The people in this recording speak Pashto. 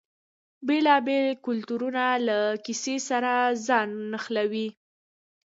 بیلابیل کلتورونه له کیسې سره ځان نښلوي.